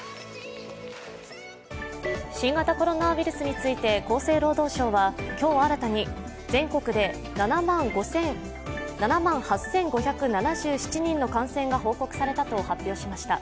新型コロナウイルスについて厚生労働省は、今日新たに全国で７万８５７７人の感染が報告されたと発表しました。